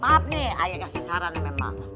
maaf nih ayah gak sesarannya memang